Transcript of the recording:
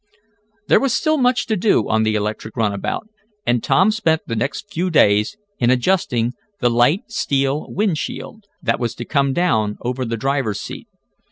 There was still much to do on the electric runabout, and Tom spent the next few days in adjusting the light steel wind shield, that was to come down over the driver's seat.